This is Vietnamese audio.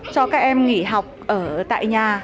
cho các em nghỉ học ở tại nhà